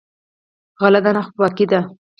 غله دانه خپلواکي ده.